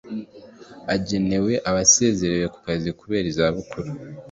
agenewe abasezerewe ku kazi kubera izabukuru